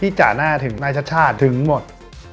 พี่จะน่าถึงนายชัดถึงหมด